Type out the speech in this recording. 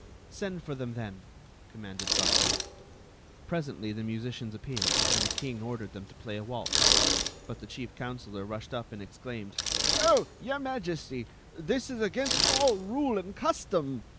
" Send for them, then," commanded Bud. Presently the musicians appeared, and the king ordered them to play a waltz. But the chief ccmn selor rushed up and exclaimed: "Oh, your Majesty! This is against all rule and custom!"